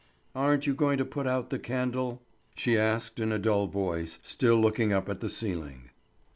"Aren't you going to put out the candle?" she asked in a dull voice, still looking up at the ceiling.